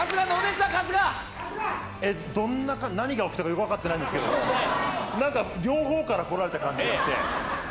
何が起きたかよく分かってないんですけど何か両方から来られた感じがして。